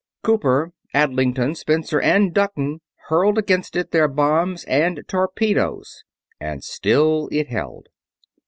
Cooper, Adlington, Spencer, and Dutton hurled against it their bombs and torpedoes and still it held.